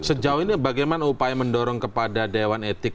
sejauh ini bagaimana upaya mendorong kepada dewan etik